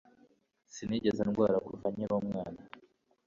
Sinigeze ndwara kuva nkiri umwana.